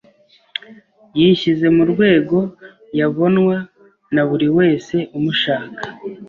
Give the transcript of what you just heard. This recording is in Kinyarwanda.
Yishyize mu rwego yabonwa na buri wese umushaka.